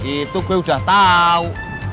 itu gue udah tau